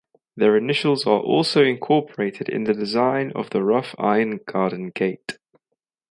Their initials are also incorporated in the design of the rough iron garden gate.